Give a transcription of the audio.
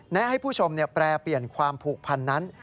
แนะให้ผู้ชมเนี่ยแปลเปลี่ยนความผูกพันนั้น